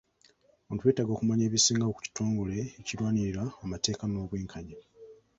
Abantu beetaaga okumanya ebisingawo ku kitongole ekirwanirira amateeka n'obwenkanya.